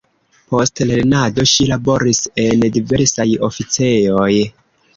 Post lernado ŝi laboris en diversaj oficejoj.